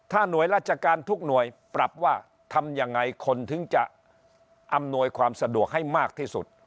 หน่วยราชการทุกหน่วยปรับว่าทำยังไงคนถึงจะอำนวยความสะดวกให้มากที่สุด